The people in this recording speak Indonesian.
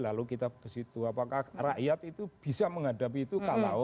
apakah rakyat itu bisa menghadapi itu